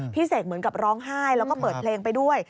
เสกเหมือนกับร้องไห้แล้วก็เปิดเพลงไปด้วย